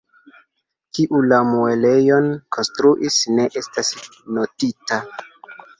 Kiu la muelejon konstruis ne estas notita.